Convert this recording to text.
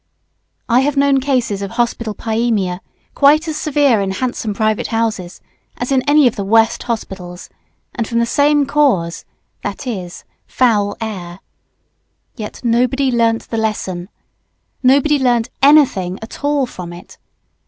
I have known cases of hospital pyaemia quite as severe in handsome private houses as in any of the worst hospitals, and from the same cause, viz., foul air. Yet nobody learnt the lesson. Nobody learnt anything at all from it.